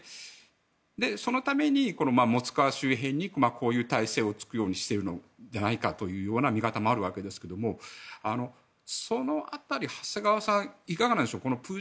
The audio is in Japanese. そのためにモスクワ周辺にこういう体制を作るようにしてるんじゃないかという見方もあるわけですけどもその辺り、長谷川さんいかがなんでしょう。